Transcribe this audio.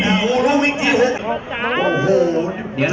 จากนี้จะมีอัพแฟที่การงานสูงสุดเลย